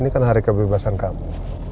ini kan hari kebebasan kami